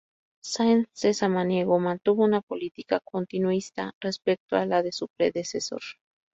Sáenz de Samaniego mantuvo una política continuista respecto a la de su predecesor.